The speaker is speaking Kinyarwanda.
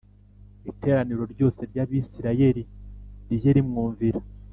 iteraniro ryose ry Abisirayeli rijye rimwumvira